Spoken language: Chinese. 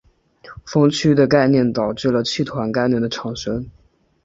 锋区的概念导致了气团概念的产生。